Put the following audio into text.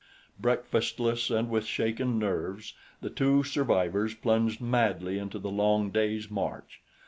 Breakfastless and with shaken nerves the two survivors plunged madly into the long day's march.